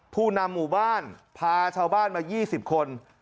ผู้นำหมู่บ้านพาชาวบ้านมา๒๐คน